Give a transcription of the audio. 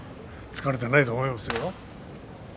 疲れていないと思いますよ。